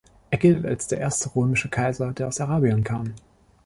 Er gilt als der erste römische Kaiser, der aus Arabien kam.